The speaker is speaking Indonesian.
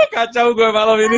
kacau gue malam ini